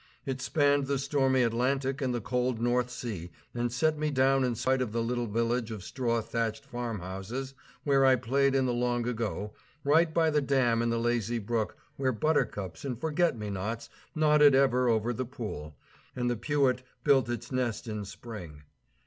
It spanned the stormy Atlantic and the cold North Sea and set me down in sight of the little village of straw thatched farm houses where I played in the long ago, right by the dam in the lazy brook where buttercups and forget me nots nodded ever over the pool, and the pewit built its nest in spring.